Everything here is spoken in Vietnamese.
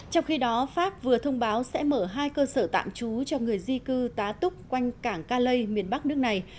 trong khi đó pháp vừa thông báo sẽ mở hai cơ sở tạm trú cho người di cư tá túc quanh cảng calei miền bắc nước này